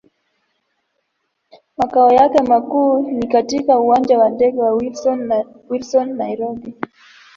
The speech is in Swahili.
Makao yake makuu ni katika Uwanja wa ndege wa Wilson, Nairobi.